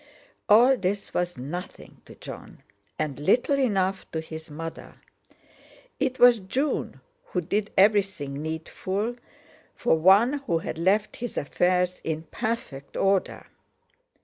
All this was nothing to Jon, and little enough to his mother. It was June who did everything needful for one who had left his affairs in perfect order.